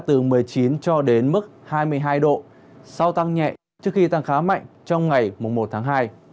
từ một mươi chín cho đến mức hai mươi hai độ sau tăng nhẹ trước khi tăng khá mạnh trong ngày một tháng hai